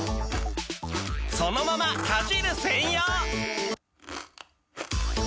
そのままかじる専用！